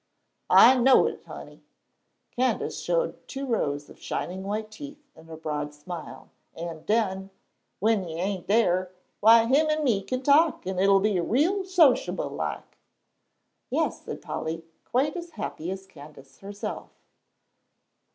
"I know it, honey." Candace showed two rows of shining white teeth in a broad smile. "An' den, w'en you ain' dar, w'y him an' me can talk, an' it'll be real sosh'ble like." "Yes," said Polly, quite as happy as Candace herself.